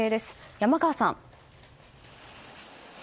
山川さん。